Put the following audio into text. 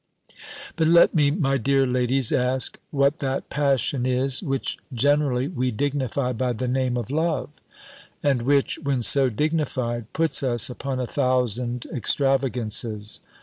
"But let me, my dear ladies, ask, what that passion is, which generally we dignify by the name of love; and which, when so dignified, puts us upon a thousand extravagances?